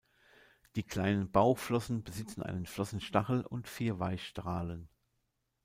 Die kleinen Bauchflossen besitzen einen Flossenstachel und vier Weichstrahlen.